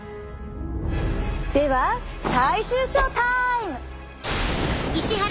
では最終ショータイム！